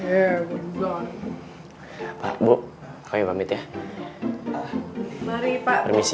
ya udah buk buk kami pamit ya mari pak misi misi